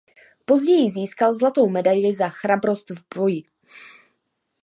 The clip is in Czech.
Později získal Zlatou medaili za chrabrost v boji.